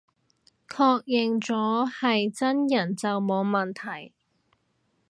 確認咗係真人就冇問題